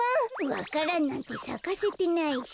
わか蘭なんてさかせてないし。